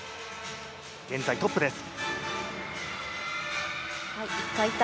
現在トップです。